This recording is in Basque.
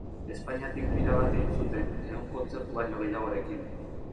Espainiatik bira bat egin zuten, ehun kontzertu baino gehiagorekin.